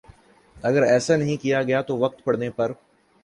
اگر ایسا نہیں کیا گیا تو وقت پڑنے پر